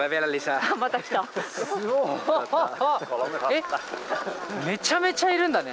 えっめちゃめちゃいるんだね。